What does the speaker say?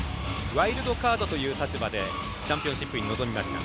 ワイルドカードという立場でチャンピオンシップに臨みました。